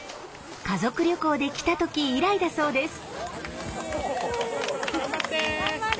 家族旅行で来た時以来だそうです。